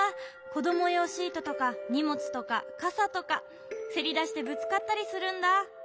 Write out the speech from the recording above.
こどもようシートとかにもつとかかさとか。せりだしてぶつかったりするんだ。